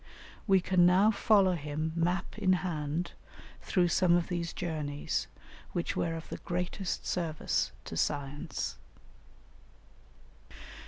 We can now follow him map in hand through some of these journeys, which were of the greatest service to science.